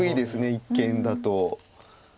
一間だと。